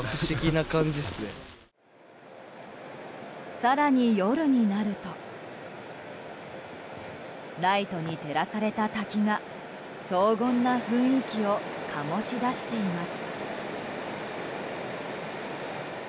更に、夜になるとライトに照らされた滝が荘厳な雰囲気を醸し出しています。